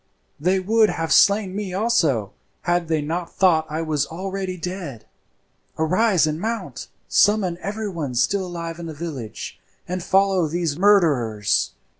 They would have slain me also had they not thought I was already dead. Arise and mount, summon everyone still alive in the village, and follow these murderers.